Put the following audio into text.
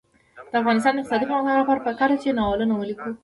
د افغانستان د اقتصادي پرمختګ لپاره پکار ده چې ناولونه ولیکو.